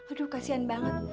aduh kasihan banget